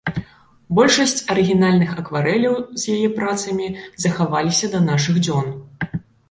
Большасць арыгінальных акварэляў з яе працамі захаваліся да нашых дзён.